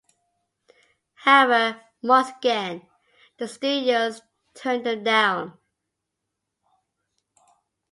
However, once again, the studios turned them down.